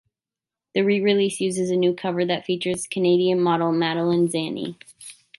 The re-release uses a new cover that features Canadian model Madaline Zanni.